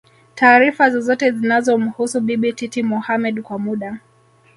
taarifa zozote zinazomhusu Bibi Titi Mohamed Kwa muda